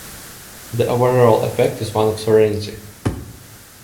The overall effect is one of serenity.